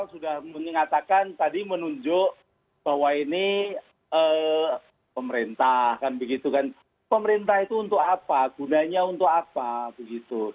sudah mengatakan tadi menunjuk bahwa ini pemerintah kan begitu kan pemerintah itu untuk apa gunanya untuk apa begitu